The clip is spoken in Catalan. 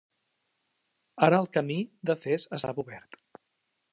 Ara el camí de Fes estava obert.